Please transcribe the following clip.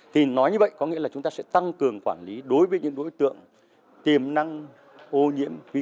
thì nói như vậy có nghĩa là chúng ta sẽ tăng cường quản lý đối với những đối tượng tiềm năng ô nhiễm